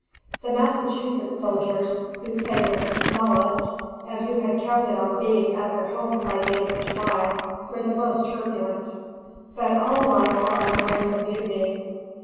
The Massachusetts soldiers, whose pay was the smallest, and who had counted on being at their homes by the end of July, were the most turbulent; but all alike were on the brink of mutiny.